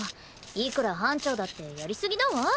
いくら班長だってやりすぎだわ。